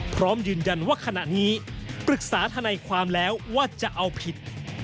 พร้อมยืนยันว่าขณะนี้ปรึกษาทนายความแล้วว่าจะเอาผิด